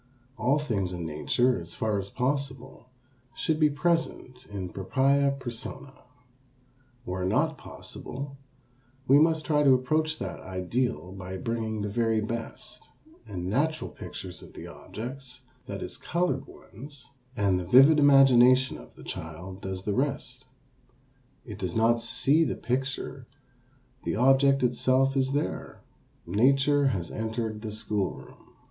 All things in nature, as far as possible, should be present in propria persona. Where not possible, we must try to approach that ideal by bringing the very best, and natural pictures of the objects, that is colored ones, and the vivid imagination of the child does the rest. It does not see the picture, the object itself is there, nature has entered the school room.